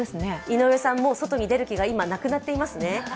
井上さん、外に出る気がもうなくなっていますね。